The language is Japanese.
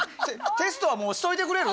テストはもうしといてくれる？